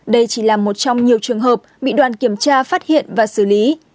đây chỉ là một trong nhiều trường hợp bị đoàn kiểm tra phát hiện và xử lý